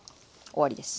終わりです。